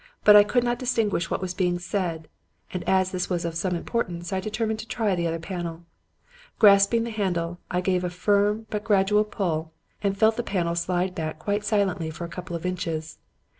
But I could not distinguish what was being said; and as this was of some importance, I determined to try the other panel. Grasping the handle, I gave a firm but gradual pull, and felt the panel slide back quite silently for a couple of inches.